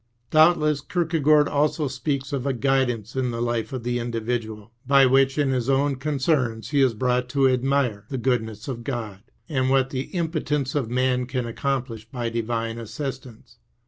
Doubtless Kierkegaard also speaks of a " guidance " in the life of the individual, by which in his own concerns he is brought to admire the goodness of God, and what the impotence of man can accomplish by Divine assistance.